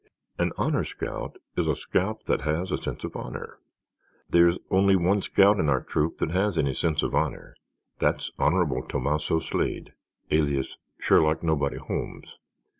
"An Honor Scout is a scout that has a sense of honor. There's only one scout in our troop that has any sense of honor—that's Honorable Tomasso Slade alias Sherlock Nobody Holmes.